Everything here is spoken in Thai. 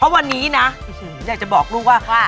วันนี้นะอยากจะบอกลูกว่า